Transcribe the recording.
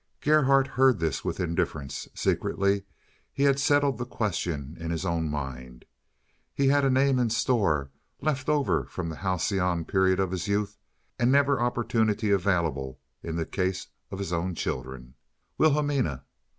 Gerhardt heard this with indifference. Secretly he had settled the question in his own mind. He had a name in store, left over from the halcyon period of his youth, and never opportunely available in the case of his own children—Wilhelmina.